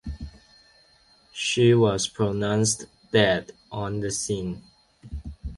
She was pronounced dead on the scene.